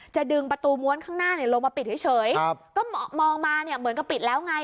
ดึงประตูม้วนข้างหน้าลงมาปิดเฉยก็มองมาเนี่ยเหมือนกับปิดแล้วไง